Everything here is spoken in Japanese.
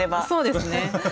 そうですね。